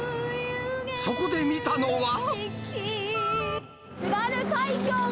そこで見たのは。